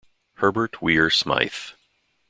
Herbert Weir Smyth.